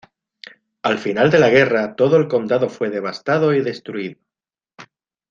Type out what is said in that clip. Al final de la guerra, todo el condado fue devastado y destruido.